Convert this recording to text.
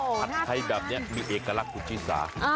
อาทิตย์ไทยแบบนี้มีเอกลักษณ์กุฏชีสา